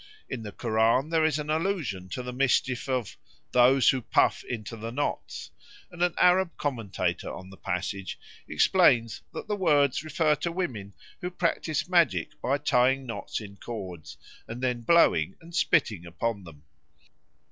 In the Koran there is an allusion to the mischief of "those who puff into the knots," and an Arab commentator on the passage explains that the words refer to women who practise magic by tying knots in cords, and then blowing and spitting upon them.